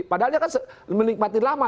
padahal dia kan menikmati lama